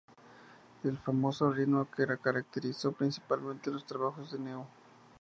El famoso ritmo que caracterizó principalmente los trabajos de Neu!.